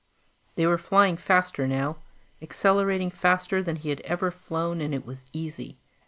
They were flying faster now, accelerating faster than he had ever flown, and it was easy.